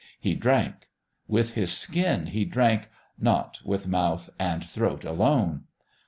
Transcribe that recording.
He drank; with his skin he drank, not with mouth and throat alone.